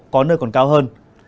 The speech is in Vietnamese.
có nơi còn cao hơn